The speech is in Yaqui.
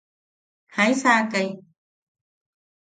¿Jaisaakai?